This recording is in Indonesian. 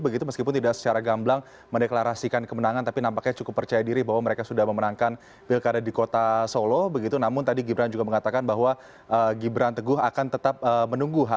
wassalamu'alaikum warahmatullahi wabarakatuh